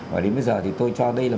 và đến bây giờ thì tôi cho đây là